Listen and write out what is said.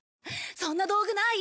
そんな道具ない？